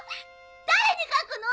誰に書くの？